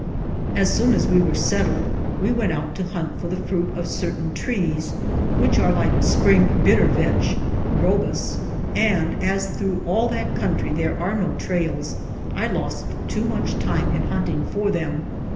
As soon as we were settled we went out to hunt for the fruit of certain trees, which are like spring bittervetch (orobus), and as through all that country there are no trails, I lost too much time in hunting for them.